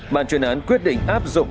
bà chuyên án quyết định áp dụng